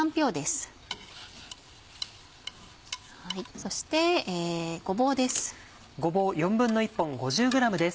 そしてごぼうです。